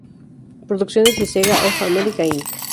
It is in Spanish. Producciones y Sega of America, Inc.